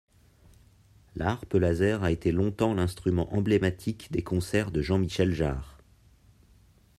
La harpe laser a été longtemps l'instrument emblématique des concerts de Jean-Michel Jarre.